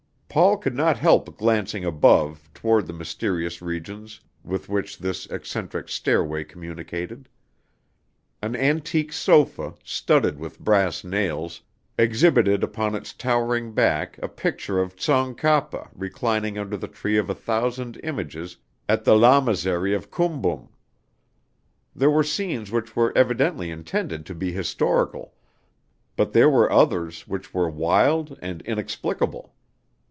Paul could not help glancing above, toward the mysterious regions with which this eccentric stairway communicated. An antique sofa, studded with brass nails, exhibited upon its towering back a picture of Tsong Kapa reclining under the tree of a thousand images at the Llamasary of Koomboom. There were scenes which were evidently intended to be historical, but there were others which were wild and inexplicable.